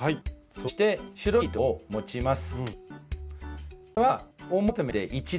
そして白い糸を持ちます。